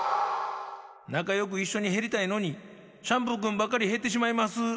「なかよくいっしょにへりたいのにシャンプーくんばっかりへってしまいます」やて。